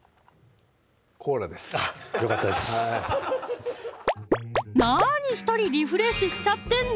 コーラですよかったですなに１人リフレッシュしちゃってんの？